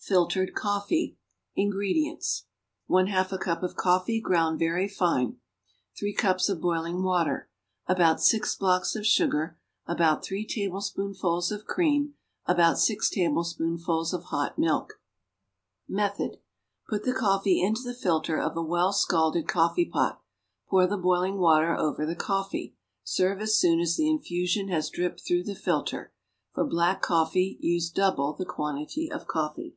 _ =Filtered Coffee.= INGREDIENTS. 1/2 a cup of coffee, ground very fine. 3 cups of boiling water. About 6 blocks of sugar. About 3 tablespoonfuls of cream. About 6 tablespoonfuls of hot milk. Method. Put the coffee into the filter of a well scalded coffee pot. Pour the boiling water over the coffee. Serve as soon as the infusion has dripped through the filter. For black coffee use double the quantity of coffee.